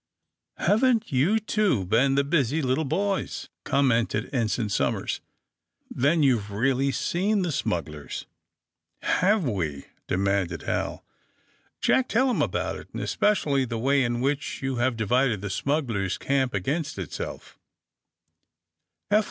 ^'Haven't you two been the busy little boys!^' commented Ensign Somers. *^Then you've really seen the smugglers!" *^ Have we r ' demanded Hal. Jack tell him about it, and especially the way in which you have divided the smugglers' camp against it self."